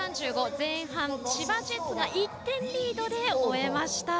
前半、千葉ジェッツが１点リードで終えました。